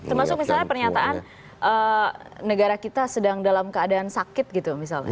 termasuk misalnya pernyataan negara kita sedang dalam keadaan sakit gitu misalnya